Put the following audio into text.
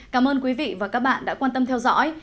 cảm ơn quý vị và các bạn đã quan tâm theo dõi